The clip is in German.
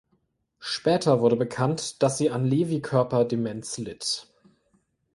Später wurde bekannt, dass sie an Lewy-Körper-Demenz litt.